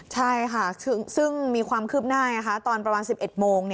ใช่ค่ะซึ่งมีความคืบหน้าตอนประมาณ๑๑โมง